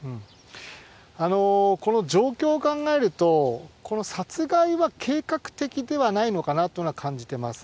この状況を考えると、この殺害は計画的ではないのかなというのは感じてます。